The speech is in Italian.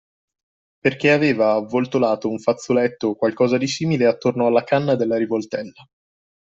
Perché aveva avvoltolato un fazzoletto o qualcosa di simile attorno alla canna della rivoltella.